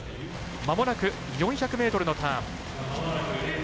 まもなく４００ｍのターン。